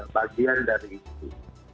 bagian dari itu